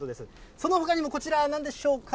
そのほかにもこちら、なんでしょうか。